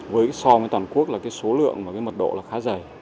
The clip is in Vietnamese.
với so với toàn quốc là cái số lượng và cái mật độ là khá dày